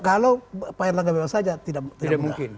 kalau pak erlangga bebas saja tidak mudah